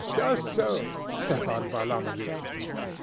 "Just so, Stepan Varlamovich!"